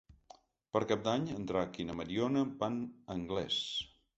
Per Cap d'Any en Drac i na Mariona van a Anglès.